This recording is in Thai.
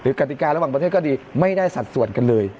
กติการะหว่างประเทศก็ดีไม่ได้สัดส่วนกันเลย